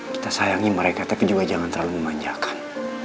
kita sayangi mereka tapi juga jangan terlalu memanjakan